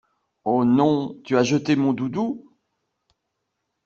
Ho non, tu as jeté mon doudou?!